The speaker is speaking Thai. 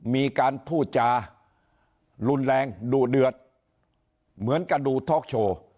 มีการพูดจารุนแรงดุเดือดเหมือนกระดูท็อกโชว์